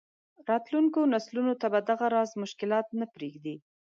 راتلونکو نسلونو ته به دغه راز مشکلات نه پرېږدي.